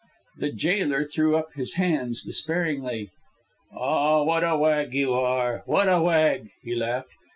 The jailer threw up his hands despairingly. "Ah, what a wag you are, what a wag," he laughed.